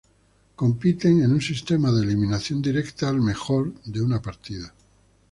Compiten en un sistema de eliminación directa al mejor de una partida.